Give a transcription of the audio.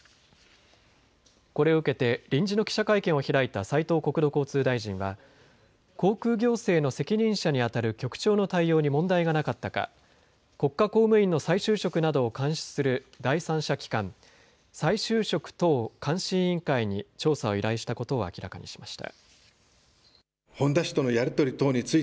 これを受けて臨時の記者会見を開いた斉藤国土交通大臣は航空行政の責任者にあたる局長の対応に問題がなかったか国家公務員の再就職などを監視する第三者機関、再就職等監視委員会に調査を依頼したことを明らかにしました。